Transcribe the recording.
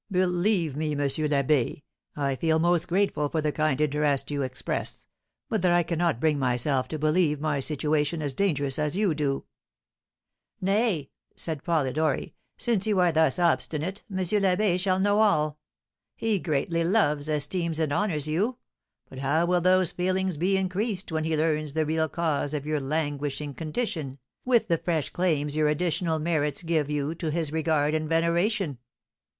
"Believe me, M. l'Abbé, I feel most grateful for the kind interest you express, but that I cannot bring myself to believe my situation as dangerous as you do." "Nay," said Polidori, "since you are thus obstinate, M. l'Abbé shall know all. He greatly loves, esteems, and honours you; but how will those feelings be increased when he learns the real cause of your languishing condition, with the fresh claims your additional merits give you to his regard and veneration!"